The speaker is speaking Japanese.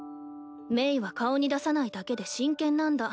「鳴は顔に出さないだけで真剣なんだ。